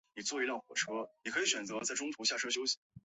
卡什提里亚什二世加喜特国王。